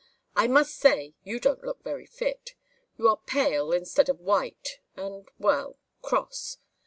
I must say you don't look very fit. You are pale instead of white, and well cross.